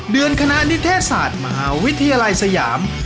เดือนคณะนิเทศศาสตร์มหาวิทยาลัยสยาม